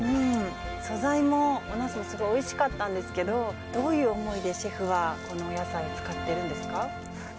素材もおナスすごいおいしかったんですけどどういう思いでシェフはこのお野菜使ってるんですか？